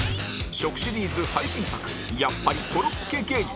食シリーズ最新作やっぱりコロッケ芸人